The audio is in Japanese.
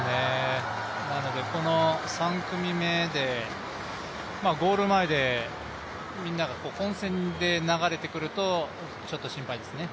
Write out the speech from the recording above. この３組目でゴール前でみんなが混戦で流れてくると、ちょっと心配ですね。